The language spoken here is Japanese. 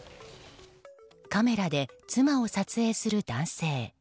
カメラで妻を撮影する男性。